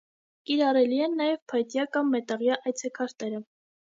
Կիրառելի են նաև փայտյա կամ մետաղյա այցեքարտերը։